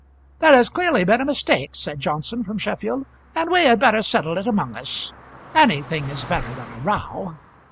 "There has clearly been a mistake," said Johnson from Sheffield, "and we had better settle it among us; anything is better than a row."